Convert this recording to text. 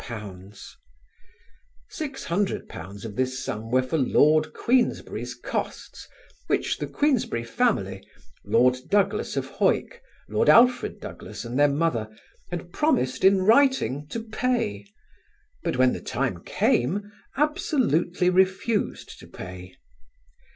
£600 of this sum were for Lord Queensberry's costs which the Queensberry family Lord Douglas of Hawick, Lord Alfred Douglas and their mother had promised in writing to pay, but when the time came, absolutely refused to pay.